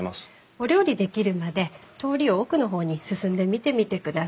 お料理出来るまで通りを奥の方に進んで見てみてください。